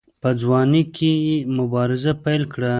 په ځوانۍ کې یې مبارزه پیل کړه.